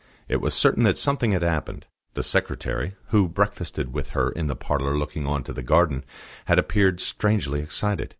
It was certain that something had happened. The secretary, who breakfasted with her in the parlour looking on to the garden, had appeared strangely excited.